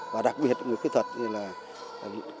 và đặc biệt là người khuyết tật